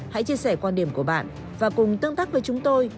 hãy chia sẻ quan điểm của bạn và cùng tương tác với chúng tôi